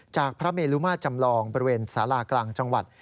พระเมลุมาตรจำลองบริเวณสารากลางจังหวัด